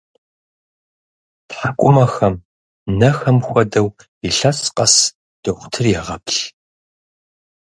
ТхьэкӀумэхэм, нэхэм хуэдэу, илъэс къэс дохутыр егъэплъ.